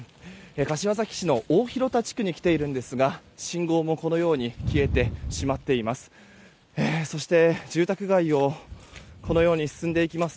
柏崎市の大広田地区に来ているんですが信号も消えてしまっています。